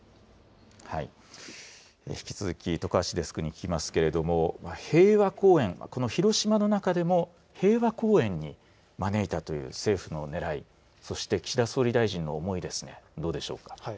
引き続き徳橋デスクに聞きますけれども、平和公園、この広島の中でも平和公園に招いたという政府のねらい、そして岸田総理大臣の思いですね、どうでしょうか。